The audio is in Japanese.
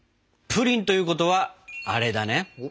プリンということはアレだね！